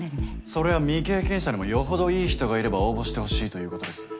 それは未経験者でもよほどいい人がいれば応募してほしいということです。